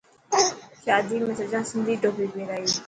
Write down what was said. شادي ۾ سجان سنڌي ٽوپي پيرائي.